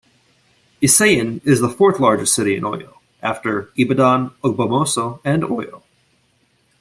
Iseyin is the fourth largest city in Oyo, after Ibadan, Ogbomoso and Oyo.